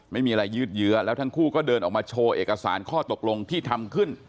ไม่มีอะไรยืดเยื้อแล้วทั้งคู่ก็เดินออกมาโชว์เอกสารข้อตกลงที่ทำขึ้น